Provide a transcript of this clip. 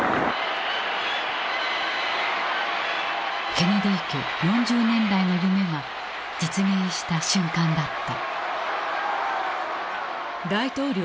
ケネディ家４０年来の夢が実現した瞬間だった。